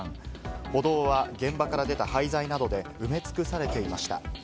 歩道は現場から出た廃材などで埋め尽くされていました。